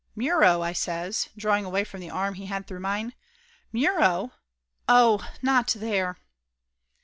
"Muro!" I says, drawing away from the arm he had through mine. "Muro! Oh! Not there!"